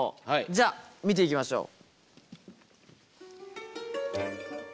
じゃあ見ていきましょう。